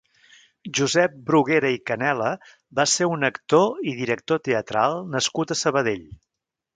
Josep Bruguera i Canela va ser un actor i director teatral nascut a Sabadell.